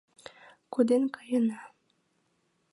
Коден каена.